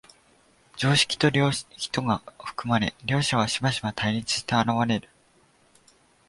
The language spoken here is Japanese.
常識と良識とが含まれ、両者はしばしば対立して現れる。